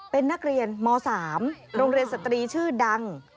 เป็นนักเรียนม๓โรงเรียนสตรีชื่อดัง